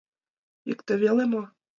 — Икте веле мо?